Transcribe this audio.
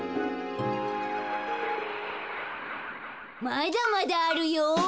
まだまだあるよ。